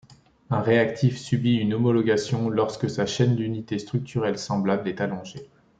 Un réactif subit une homologation lorsque sa chaîne d'unités structurelles semblables est allongée.